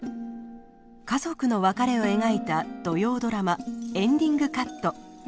家族の別れを描いた土曜ドラマ「エンディングカット」。